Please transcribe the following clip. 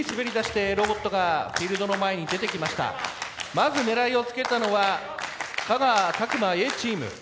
まず狙いをつけたのは香川詫間Ａチーム。